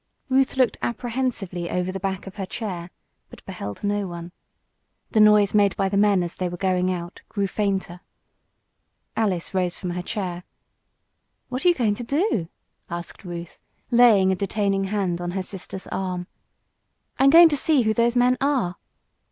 Ruth looked apprehensively over the back of her chair, but beheld no one. The noise made by the men as they were going out grew fainter. Alice rose from her chair. "What are you going to do?" asked Ruth, laying a detaining hand on her sister's arm. "I'm going to see who those men are."